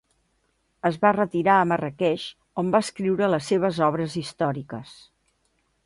Es va retirar a Marràqueix on va escriure les seves obres històriques.